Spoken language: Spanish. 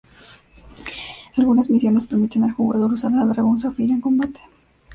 Algunas misiones permiten al jugador usar al dragón Saphira en combate.